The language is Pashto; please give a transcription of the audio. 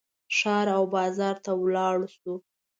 ښار او بازار ته ولاړ شو.